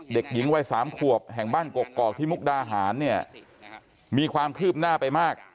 เด็กหญิงวัยสามขวบแห่งบ้านกกอกที่มุกดาหารเนี่ยมีความคืบหน้าไปมาก